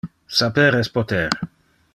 Saper es poter!